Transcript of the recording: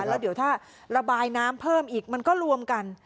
แล้วเดี๋ยวถ้าระบายน้ำเพิ่มอีกมันก็รวมกัน